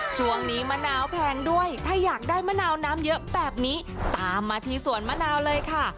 ช่วงนี้มะนาวแพงด้วยถ้าอยากได้มะนาวน้ำเยอะแบบนี้ตามมาที่สวนมะนาวเลยค่ะ